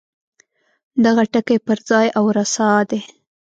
دغه ټکی پر ځای او رسا دی.